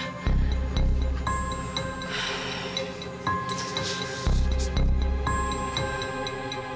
terima kasih pak